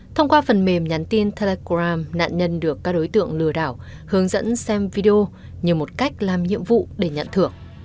thông qua phần mềm nhắn tin telegram nạn nhân được các đối tượng lừa đảo hướng dẫn xem video như một cách làm nhiệm vụ để nhận thưởng